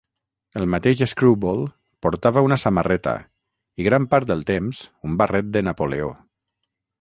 El mateix Screwball portava una samarreta i, gran part del temps, un barret de Napoleó.